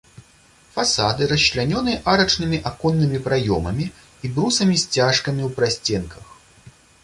Фасады расчлянёны арачнымі аконнымі праёмамі і брусамі-сцяжкамі ў прасценках.